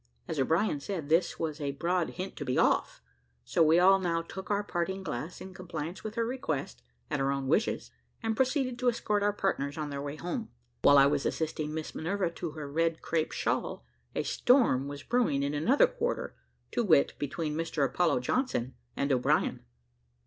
As O'Brien said, this was a broad hint to be off, so we all now took our parting glass, in compliance with her request and our own wishes, and proceeded to escort our partners on their way home. While I was assisting Miss Minerva to her red crape shawl, a storm was brewing in another quarter, to wit, between Mr Apollo Johnson and O'Brien.